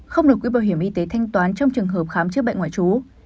không được quỹ bảo hiểm y tế thanh toán trong trường hợp khám chữa bệnh ngoại trú